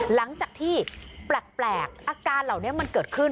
หลังจากที่แปลกอาการเหล่านี้มันเกิดขึ้น